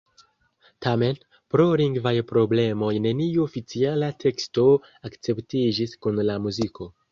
Tamen, pro lingvaj problemoj neniu oficiala teksto akceptiĝis kun la muziko.